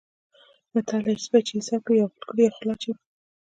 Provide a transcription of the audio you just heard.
متل دی: سپی چې ایسار کړې یا غول کړي یا خوله اچوي.